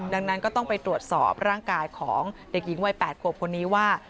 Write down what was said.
ดังนั้นก็ต้องไปตรวจสอบร่างกายของเด็กหญิงวัย๘ขวบคนนี้ว่า